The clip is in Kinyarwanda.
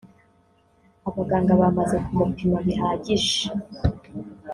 Abaganga bamaze kumupima bihagije